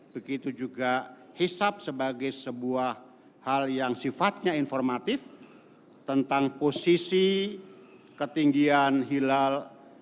begitu juga hisap sebagai sebuah hal yang sifatnya informatif tentang posisi ketinggian hilal